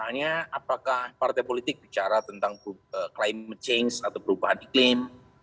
misalnya apakah partai politik bicara tentang climate change atau perubahan iklim